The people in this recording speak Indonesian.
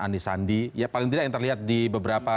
anies sandi ya paling tidak yang terlihat di beberapa